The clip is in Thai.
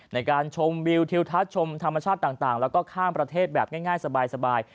ในการชมวิวทิวทัศน์ชมธรรมชาติต่างแล้วก็ข้ามประเทศแบบง่ายสบาย